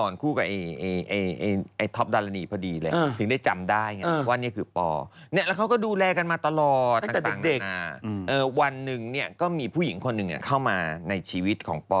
ในชีวิตของปธิษฎี